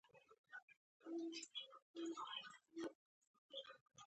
افغانستان له غرونه ډک دی.